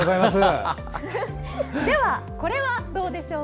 では、これはどうでしょう。